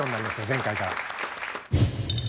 前回から。